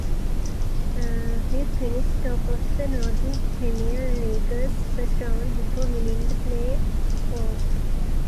Fife finished top of the Northern Premier League's first round, before winning the playoffs.